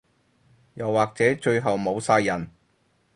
又或者最後冇晒人